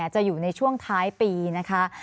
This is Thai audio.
จะอยู่ในช่วงท้ายปีนะคะ